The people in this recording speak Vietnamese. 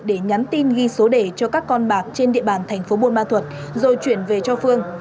để nhắn tin ghi số đề cho các con bạc trên địa bàn tp bôn ma thuật rồi chuyển về cho phương